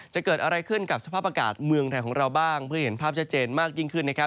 จะเกิดอะไรขึ้นกับสภาพอากาศเมืองไทยของเราบ้างเพื่อเห็นภาพชัดเจนมากยิ่งขึ้นนะครับ